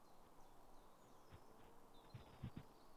大安寺是位在日本奈良县奈良市的高野山真言宗寺院。